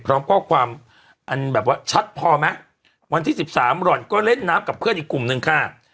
พร้อมข้อความอันแบบว่าชัดพอไหมวันที่สิบสามหล่อนก็เล่นน้ำกับเพื่อนอีกกลุ่มนึงค่ะ